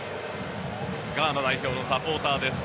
ガーナ代表のサポーターもいます。